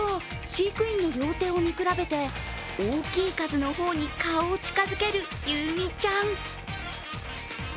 飼育員の両手を見比べて大きい数の方に顔を近づけるゆうみちゃん。